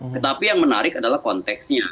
tetapi yang menarik adalah konteksnya